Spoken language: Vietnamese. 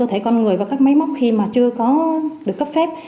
thể con người và các máy móc khi mà chưa có được cấp phép